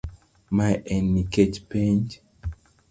Mae en nikech penj